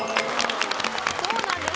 そうなんです